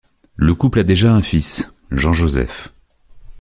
Le couple a déjà un fils, Jean-Joseph.